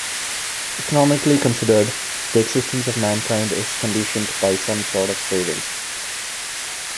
Economically considered, the existence of mankind is conditioned by some sort of saving.